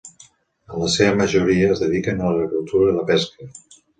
En la seva majoria es dediquen a l'agricultura i la pesca.